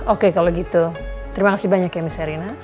oke kalau gitu terima kasih banyak ya miss erina